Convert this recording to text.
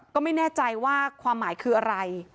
ก็ไม่แน่ใจว่าความหมายคืออะไร